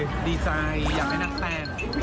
ขอบใจอยากให้นางแต่ง